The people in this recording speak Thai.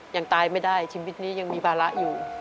ยังตายไม่ได้ชีวิตนี้ยังมีภาระอยู่